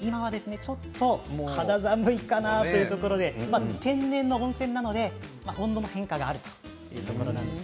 今はちょっと肌寒いかなというところで天然の温泉なので変化があるということです。